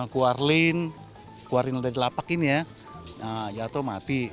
kuarlin kuarlin dari lapak ini ya jatuh mati